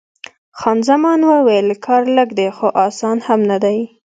خان زمان وویل: کار لږ دی، خو اسان هم نه دی.